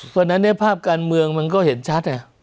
วันนั้นเนี่ยภาพการเมืองมันก็เห็นชัด